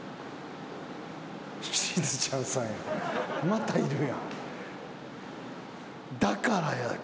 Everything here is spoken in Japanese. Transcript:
またいるやん。